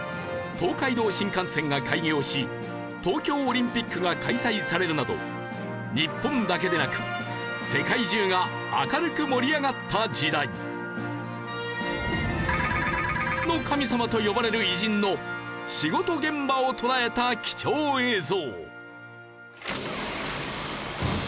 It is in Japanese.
東海道新幹線が開業し東京オリンピックが開催されるなど日本だけでなく世界中が明るく盛り上がった時代。の神様と呼ばれる偉人の仕事現場を捉えた貴重映像。